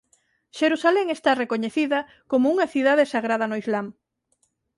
Xerusalén está recoñecida como unha cidade sagrada no Islam.